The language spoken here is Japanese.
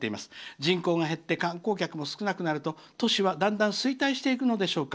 人口が減って観光客も少なくなると都市は、だんだん衰退していくのでしょうか。